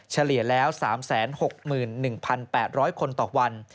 เฉลี่ยแล้ว๓๖๑๘๐๐คนต่อวัน